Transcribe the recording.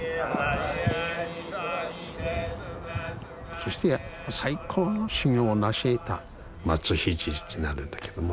そして最高の修行をなしえた松聖となるんだけども。